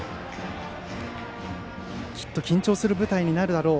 きっと緊張する舞台になるだろう。